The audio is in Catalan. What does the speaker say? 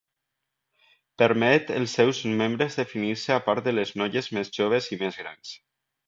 Permet els seus membres definir-se a part de les noies més joves i més grans.